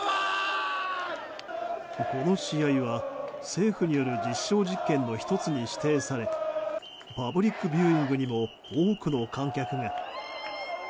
この試合は政府による実証実験の１つに指定されパブリックビューイングにも多くの観客が。